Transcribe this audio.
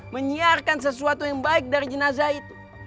menyiarkan sesuatu yang baik dari jenazah itu